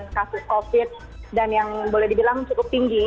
dan kasus covid sembilan belas dan yang boleh dibilang cukup tinggi